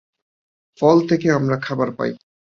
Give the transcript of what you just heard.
ফল থেকে আমরা খাবার পাই।